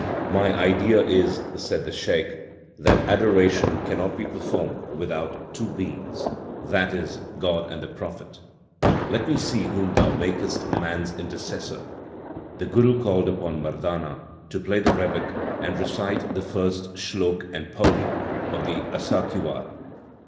My idea is , said the Shaikh, that adoration cannot be performed without two beings, that is, God and the Prophet ; Let me see whom thou makest man s intercessor/ The Guru called upon Mardana to play the rebeck and recite the first slok and pauri 2 of the Asa ki War.